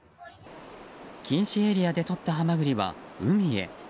禁止エリアでとったハマグリは海へ。